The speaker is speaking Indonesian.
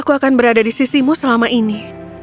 aku akan berada di sisimu selama ini